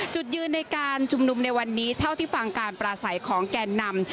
จุดยืนในการชุมนุมในวันนี้เท่าที่ฟังการปราศัยของแกนนำ